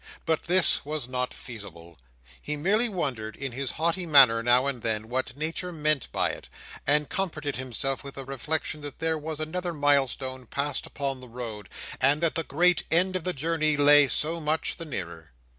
But as this was not feasible, he merely wondered, in his haughty manner, now and then, what Nature meant by it; and comforted himself with the reflection that there was another milestone passed upon the road, and that the great end of the journey lay so much the nearer.